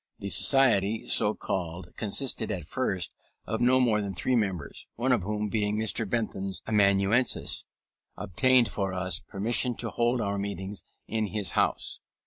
The Society so called consisted at first of no more than three members, one of whom, being Mr. Bentham's amanuensis, obtained for us permission to hold our meetings in his house.